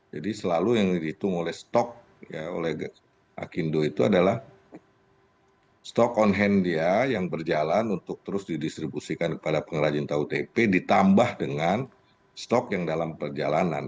jadi selalu yang dihitung oleh stok ya oleh akindo itu adalah stok on hand dia yang berjalan untuk terus didistribusikan kepada pengrajin tautp ditambah dengan stok yang dalam perjalanan